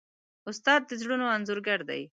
استاد د زړونو انځورګر دی.